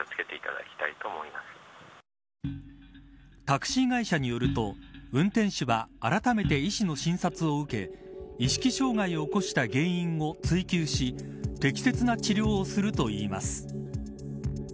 タクシー会社によると運転手はあらためて医師の診察を受け意識障害を起こした原因を追究し適切な治療をするといいます。